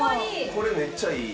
これめっちゃいい。